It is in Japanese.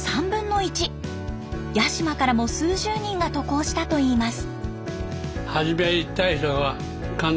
八島からも数十人が渡航したといいます。